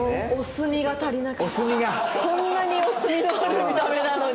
こんなにオスみのある見た目なのに。